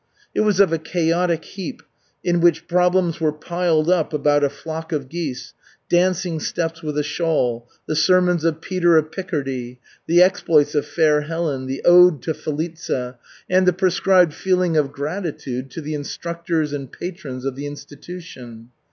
It was a chaotic heap in which problems were piled up about a flock of geese, dancing steps with a shawl, the sermons of Peter of Picardy, the exploits of Fair Helen, the Ode to Felitza, and the prescribed feeling of gratitude to the instructors and patrons of the institution.